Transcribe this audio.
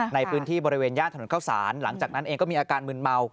ในพื้นที่บริเวณย่านถนนเข้าสารหลังจากนั้นเองก็มีอาการมืนเมา